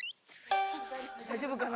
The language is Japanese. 大丈夫かな？